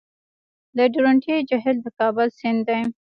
د درونټې جهیل د کابل سیند دی